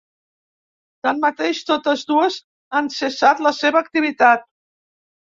Tanmateix, totes dues han cessat la seva activitat.